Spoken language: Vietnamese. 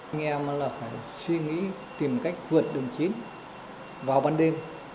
anh em là phải suy nghĩ tìm cách vượt đường chín vào ban đêm